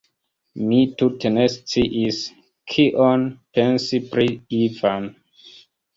Mi tute ne sciis, kion pensi pri Ivan.